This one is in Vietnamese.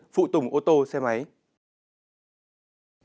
phụ tùng ô tô xe máy